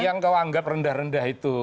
yang kau anggap rendah rendah itu